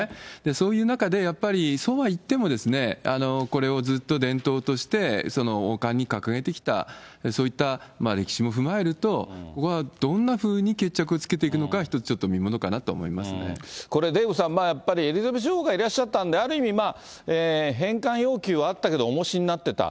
そういう中で、やっぱり、そうはいってもですね、これをずっと伝統として、王冠に掲げてきた、そういった歴史も踏まえると、ここはどんなふうに決着をつけていくのか、１つ、これ、デーブさん、やっぱり、エリザベス女王がいらっしゃったんで、ある意味、返還要求はあったけど、おもしになっていた。